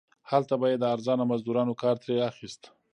هلته به یې د ارزانه مزدورانو کار ترې اخیست.